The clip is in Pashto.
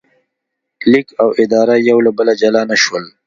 لیک او اداره یو له بله جلا نه شول.